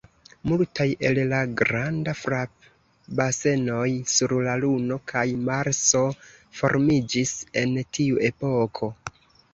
Multaj el la granda frapbasenoj sur la Luno kaj Marso formiĝis en tiu epoko.